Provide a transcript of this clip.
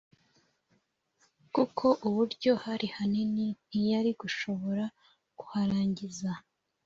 kuko uburyo hari hanini, ntiyari gushobora kuharangiza